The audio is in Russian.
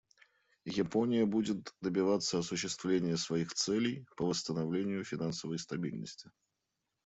Япония будет добиваться осуществления своих целей по восстановлению финансовой стабильности.